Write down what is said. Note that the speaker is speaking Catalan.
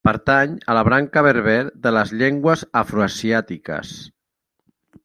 Pertany a la branca berber de les llengües afroasiàtiques.